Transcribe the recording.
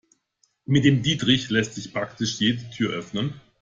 Mit dem Dietrich lässt sich praktisch jede Tür öffnen.